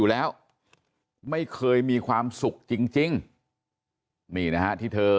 แล้วก็ยัดลงถังสีฟ้าขนาด๒๐๐ลิตร